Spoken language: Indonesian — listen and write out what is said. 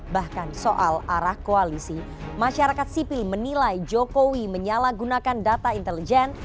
bahkan soal arah koalisi masyarakat sipil menilai jokowi menyalahgunakan data intelijen